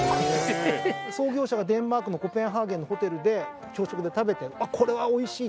創業者がデンマークのコペンハーゲンのホテルで朝食で食べてこれはおいしいと。